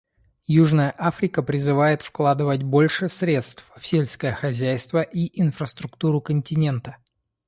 Южная Африка призывает вкладывать больше средств в сельское хозяйство и инфраструктуру континента.